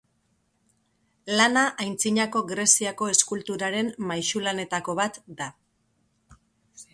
Lana Antzinako Greziako eskulturaren maisulanetako bat da.